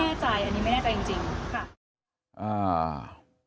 ไม่แน่ใจอันนี้ไม่แน่ใจจริง